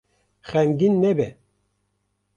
Xemgîn nebe.